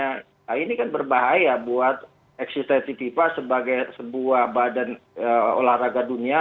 nah ini kan berbahaya buat eksistensi fifa sebagai sebuah badan olahraga dunia